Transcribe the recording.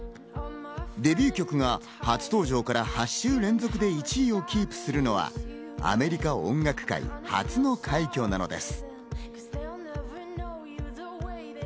デビュー曲が初登場から８週連続で１位をキープするのはアメリカ音楽界初の快挙なのです。